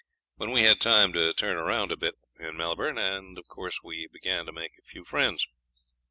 When we had time to turn round a bit in Melbourne of course we began to make a few friends.